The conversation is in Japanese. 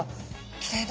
きれいな。